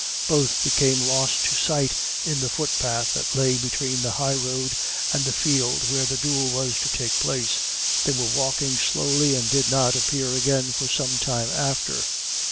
Both became lost to sight in the footpath that lay between the highroad and the field where the duel was to take place; they were walking slowly, and did not appear again for some time after.